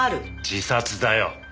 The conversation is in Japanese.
自殺だよ。